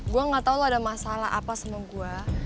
gue nggak tau lu ada masalah apa sama gue